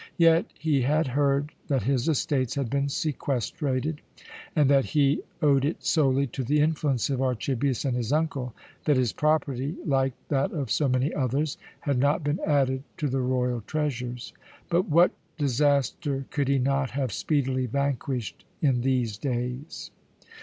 Yet he had heard that his estates had been sequestrated, and that he owed it solely to the influence of Archibius and his uncle, that his property, like that of so many others, had not been added to the royal treasures. But what disaster could he not have speedily vanquished in these days?